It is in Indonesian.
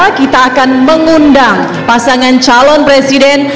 kita akan mengundang pasangan calon presiden